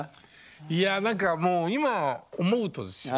いや何かもう今思うとですよ